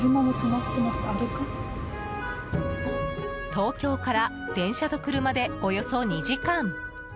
東京から電車と車でおよそ２時間。